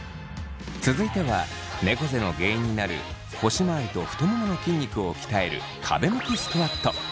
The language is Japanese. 続いてはねこ背の原因になる腰まわりと太ももの筋肉を鍛える壁向きスクワット。